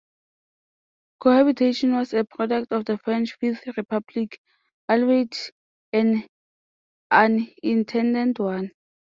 Cohabitation was a product of the French Fifth Republic, albeit an unintended one.